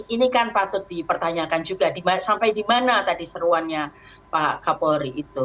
ini kan patut dipertanyakan juga sampai di mana tadi seruannya pak kapolri itu